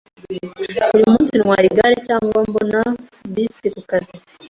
Buri munsi ntwara igare cyangwa mbona bisi kukazi.